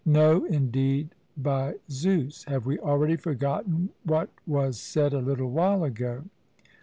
No indeed, by Zeus. Have we already forgotten what was said a little while ago?